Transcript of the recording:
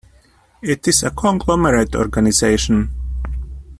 It is a conglomerate organization.